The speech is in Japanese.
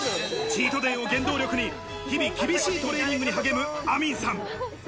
チートデイを原動力に、日々厳しいトレーニングに励むアミンさん。